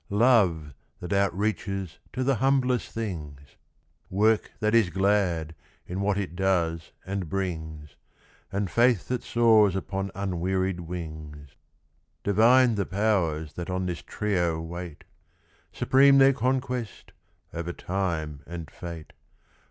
Love, that outreaches to the humblest things; Work that is glad, in what it does and brings; And faith that soars upon unwearied wings. Divine the Powers that on this trio wait. Supreme their conquest, over Time and Fate.